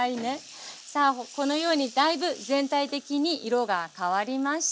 さあこのようにだいぶ全体的に色が変わりました。